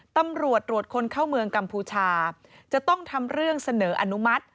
ตำรวจตรวจคนเข้าเมืองกัมพูชาจะต้องทำเรื่องเสนออนุมัติ